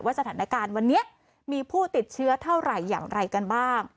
สถานการณ์วันนี้มีผู้ติดเชื้อเท่าไหร่อย่างไรกันบ้าง